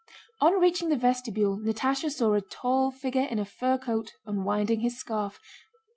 On reaching the vestibule Natásha saw a tall figure in a fur coat unwinding his scarf.